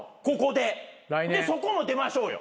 でそこも出ましょうよ。